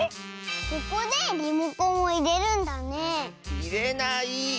ここでリモコンをいれるんだねいれない！